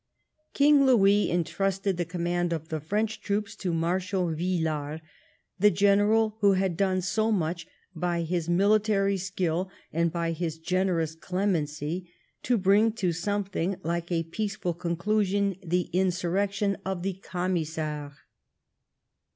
King Louis entrusted the command of the French troops to Marshal Villars, the general who had done so much by his military skill and by his generous clemency to bring to something like a peaceful con clusion the insurrection of the Camisards.